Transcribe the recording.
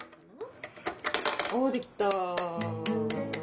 おできた。